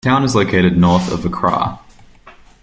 The town is located north of Accra.